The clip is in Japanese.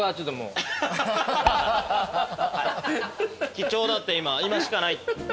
貴重だって今しかない。